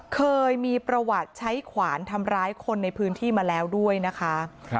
เคยมีประวัติใช้ขวานทำร้ายคนในพื้นที่มาแล้วด้วยนะคะ